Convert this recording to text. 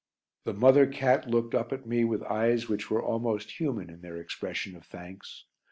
The mother cat looked up at me with eyes which were almost human in their expression of thanks.